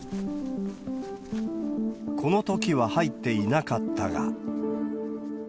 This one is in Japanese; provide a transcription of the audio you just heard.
このときは入っていなかったが。